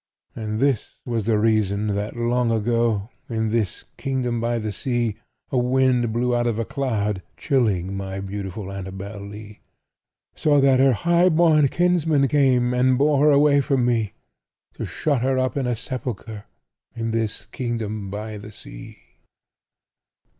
And this was the reason that, long ago, In this kingdom by the sea. A wind blew out of a cloud, chilling My beautiful Annabel Lee; So that her high born kinsmen came And bore her away from me, To shut her up in a sepulchre In this kingdom by the sea.